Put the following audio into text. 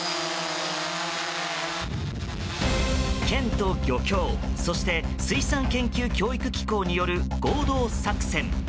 県と漁協、そして水産研究教育機構による合同作戦。